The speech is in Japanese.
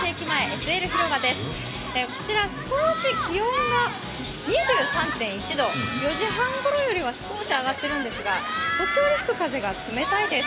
ＳＬ広場前です、こちら、気温が２３．１度、４時半ごろよりは少し上がっているんですが、時折吹く風が冷たいです。